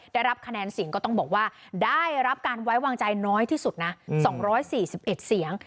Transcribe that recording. ได้รับคะแนนเสียงก็ต้องบอกว่าได้รับการไว้วางใจน้อยที่สุดนะสองร้อยสี่สิบเอ็ดเสียง